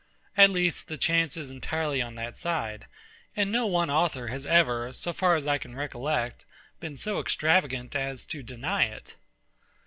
At least, the chance is entirely on that side; and no one author has ever, so far as I can recollect, been so extravagant as to deny it.